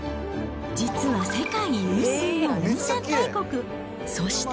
実は世界有数の温泉大国、そして。